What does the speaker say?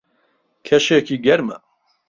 کەشێکی گەرمە.